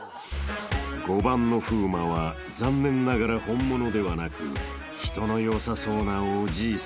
［５番の風磨は残念ながら本物ではなく人の良さそうなおじいさんだった］